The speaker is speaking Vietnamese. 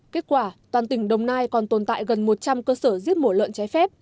kết quả toàn tỉnh đồng nai còn tồn tại gần một trăm linh cơ sở giết mổ lợn trái phép